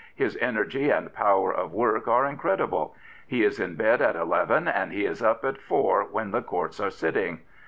His energy and power of work are incredible. He is in bed at eleven and he is up at four when the Courts are sitting.